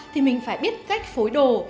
thì mình phải biết cách phối đồ